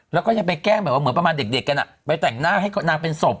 แล้วก็ยังไปแกล้งแบบว่าเหมือนประมาณเด็กกันไปแต่งหน้าให้นางเป็นศพ